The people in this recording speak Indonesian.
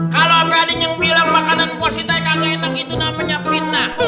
kalau berani yang bilang makanan mpok si tai kagak enak itu namanya fitnah